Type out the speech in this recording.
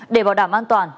để bảo đảm an toàn